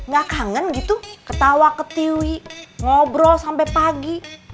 ga kangen gitu ketawa ke tiwi ngobrol sampe pagi